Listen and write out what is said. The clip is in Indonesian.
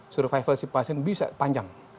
survival si pasien bisa panjang